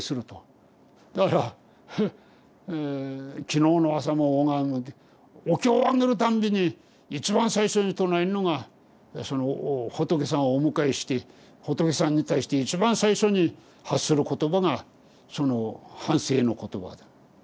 だからフッ昨日の朝も拝んでお経あげるたんびに一番最初に唱えるのがその仏さんをお迎えして仏さんに対して一番最初に発する言葉がその反省の言葉だ。